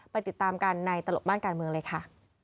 ติดตามกันในตลบม่านการเมืองเลยค่ะ